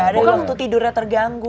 bukan waktu tidurnya terganggu